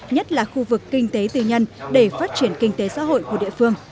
nhất là khu vực kinh tế tư nhân để phát triển kinh tế xã hội của địa phương